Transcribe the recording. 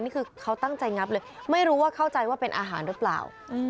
นี่คือเขาตั้งใจงับเลยไม่รู้ว่าเข้าใจว่าเป็นอาหารหรือเปล่า